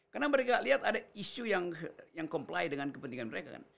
karena mereka lihat ada isu yang comply dengan kepentingan mereka kan